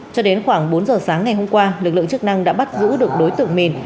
cho đến khoảng bốn giờ sáng ngày hôm qua lực lượng chức năng đã bắt giữ được đối tượng mền